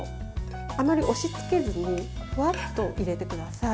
あまり押しつけずにふわっと入れてください。